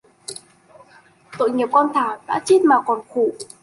Tội nghiệp con Thảo đã chết mà còn khổ